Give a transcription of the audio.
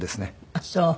あっそう。